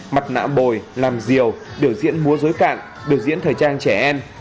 mặt nạ bồi làm diều đổ diễn múa dối cạn đổ diễn thời trang trẻ em